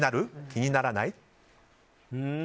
気にならない？